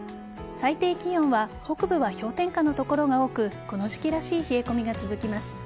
最低気温は北部は氷点下の所が多くこの時期らしい冷え込みが続きます。